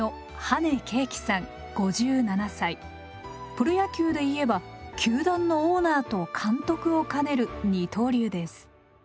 プロ野球で言えば球団のオーナーと監督を兼ねる二刀流です。